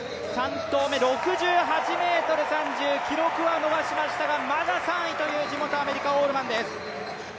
３投目、６８ｍ３０記録は伸ばしましたがまだ３位という地元アメリカオールマンです。